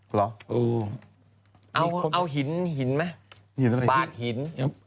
เหรอเออเอาหินหินไหมหินทำไมบาดหิน